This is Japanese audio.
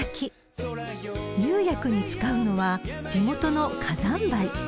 ［釉薬に使うのは地元の火山灰］